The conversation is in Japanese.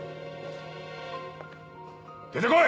出て来い！